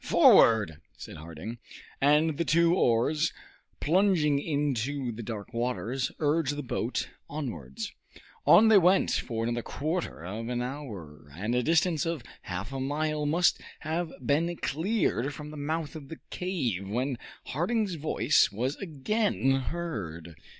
"Forward!" said Harding. And the two oars, plunging into the dark waters, urged the boat onwards. On they went for another quarter of an hour, and a distance of half a mile must have been cleared from the mouth of the cave, when Harding's voice was again heard.